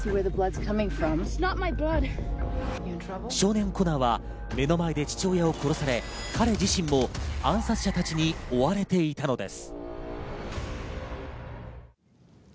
少年コナーは目の前で父親を殺され彼自身も暗殺者たちに追われていたのです。